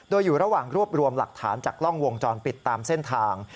โดยอยู่ระหว่างรวบรวมหลักฐานจากกล้องวงจรปิดตามเส้นทาง